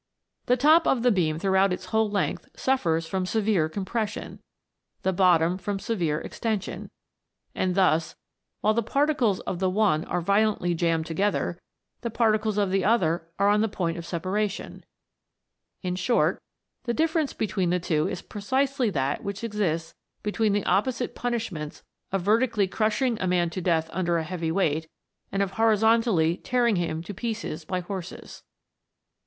The top of the beam throughout its whole length suffers from severe compression, the bottom from severe exten sion, and thus, while the particles of the one are violently jammed together, the particles of the other are on the point of separation ; in short, the differ 330 THE WONDEBFUL LAMP. ence between the two is precisely that which exists between the opposite punishments of vertically crushing a man to death under a heavy weight, and of horizontally tearing him to pieces by horses.